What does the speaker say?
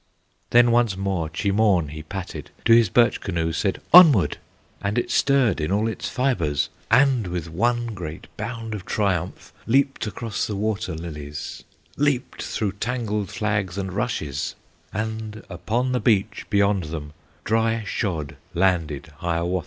Then once more Cheemaun he patted, To his birch canoe said, "Onward!" And it stirred in all its fibres, And with one great bound of triumph Leaped across the water lilies, Leaped through tangled flags and rushes, And upon the beach beyond them Dry shod landed Hiawatha.